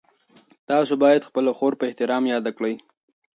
تاسو باید خپله خور په احترام یاده کړئ.